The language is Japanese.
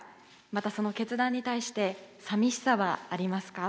またその決断に対して寂しさはありますか？